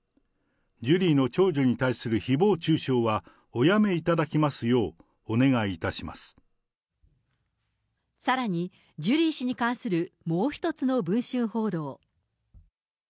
ジュリーの長女に対するひぼう中傷はおやめいただきますよう、おさらに、ジュリー氏に関するもう１つの文春報道。